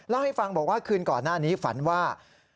เล่าให้ฟังบอกว่าคืนก่อนหน้านี้ฝันว่า